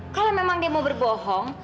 kalau memang dia mau berbohong